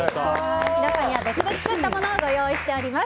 皆さんには別で作ったものをご用意しております。